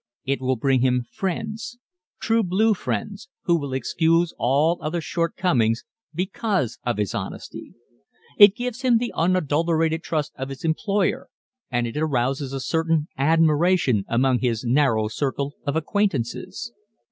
It will bring him friends ... true blue friends, who will excuse all other shortcomings because of his honesty. It gives him the unadulterated trust of his employer and it arouses a certain admiration among his narrow circle of acquaintances.